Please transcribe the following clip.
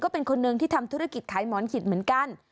เป็นคนนึงที่ทำธุรกิจขายหมอนขิดเหมือนกัน